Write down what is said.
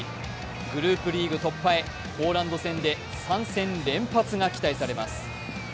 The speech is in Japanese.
グループリーグ突破へポーランド戦で３戦連発が期待されます。